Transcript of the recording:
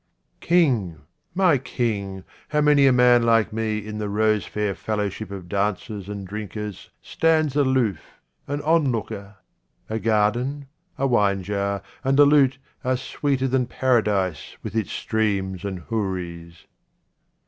King, my king, how many a man like me in the rose fair fellowship of dancers and drinkers stands aloof, an onlooker ? A garden, a wine jar, and a lute are sweeter than Paradise with its streams and houris.